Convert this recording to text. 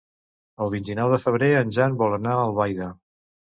El vint-i-nou de febrer en Jan vol anar a Albaida.